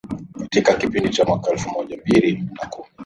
katika kipindi cha mwaka elfu mbili na kumi